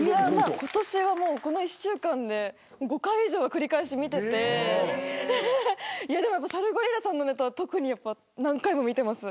今年はこの１週間で５回以上繰り返し見ていてサルゴリラさんのネタは特に何回も見てます。